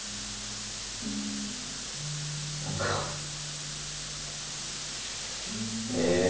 何かえ